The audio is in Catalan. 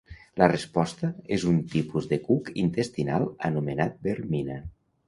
La resposta és un tipus de cuc intestinal anomenat vermina.